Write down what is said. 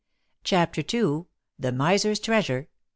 59 CHAPTER IL THE miser's treasure.